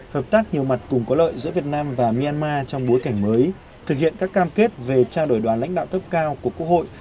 hợp tác nhiều mặt cùng có lợi giữa việt nam và myanmar trong bối cảnh mới thực hiện các cam kết về trao đổi đoàn lãnh đạo cấp cao của quốc hội